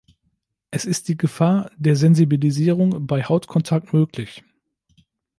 Es ist die Gefahr der Sensibilisierung bei Hautkontakt möglich.